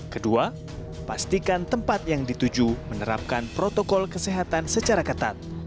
kedua pastikan tempat yang dituju menerapkan protokol kesehatan secara ketat